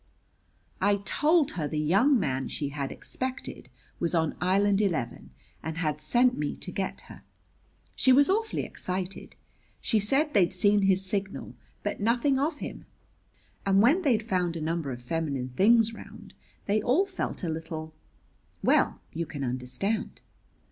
"I told her the young man she had expected was on Island Eleven and had sent me to get her. She was awfully excited. She said they'd seen his signal, but nothing of him. And when they'd found a number of feminine things round they all felt a little well, you can understand.